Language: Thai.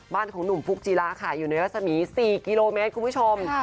บ้านของหนุ่มฟุกจีลาค่ะอยู่ในเยื้อสมี๔กิโลเมตรคุณผู้ชม